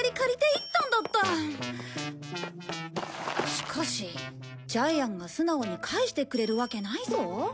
しかしジャイアンが素直に返してくれるわけないぞ。